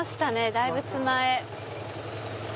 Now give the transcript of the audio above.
大仏前。